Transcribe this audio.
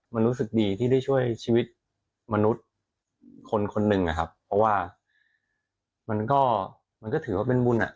มันรู้สึกดีที่ได้ช่วยชีวิตมนุษย์คนคนหนึ่งนะครับเพราะว่ามันก็มันก็ถือว่าเป็นบุญอ่ะ